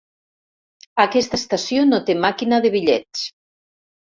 Aquesta estació no té màquina de bitllets.